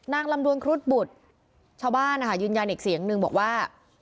ลำดวนครุฑบุตรชาวบ้านนะคะยืนยันอีกเสียงนึงบอกว่า